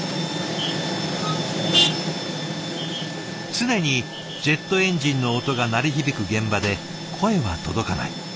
常にジェットエンジンの音が鳴り響く現場で声は届かない。